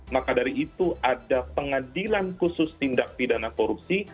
maka dari itu ada pengadilan khusus tindak pidana korupsi